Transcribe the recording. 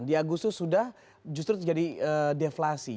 di agustus sudah justru terjadi deflasi